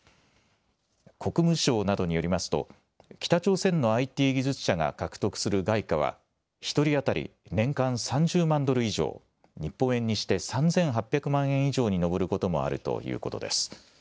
国務省などによりますと北朝鮮のＩＴ技術者が獲得する外貨は１人当たり年間３０万ドル以上、日本円にして３８００万円以上に上ることもあるということです。